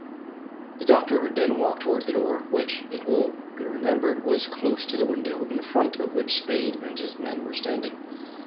The doctor then walked towards the door, which, it will be remembered, was close to the window in front of which Spade and his men were standing.